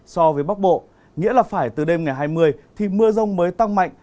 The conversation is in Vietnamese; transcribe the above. so với bắc bộ nghĩa là phải từ đêm ngày hai mươi thì mưa rông mới tăng mạnh